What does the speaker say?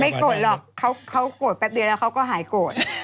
ไม่โกดหรอกเขากดแป๊บเดียวแล้วเขาก็หายโกด